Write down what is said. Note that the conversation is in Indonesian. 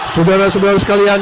subhanallah subhanallah sekalian